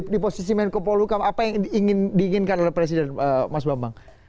di posisi menko polukam apa yang diinginkan oleh presiden mas bambang